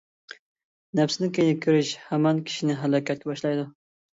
نەپسىنىڭ كەينىگە كىرىش ھامان كىشىنى ھالاكەتكە باشلايدۇ.